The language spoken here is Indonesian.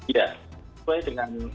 ya selain dengan